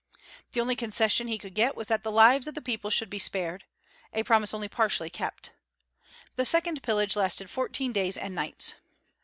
The only concession he could get was that the lives of the people should be spared, a promise only partially kept. The second pillage lasted fourteen days and nights.